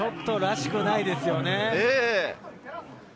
ちょっと、らしくないですね。